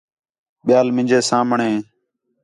ٻِیال مینجے سامھݨے